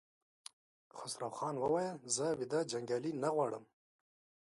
خسروخان وويل: زه ويده جنګيالي نه غواړم!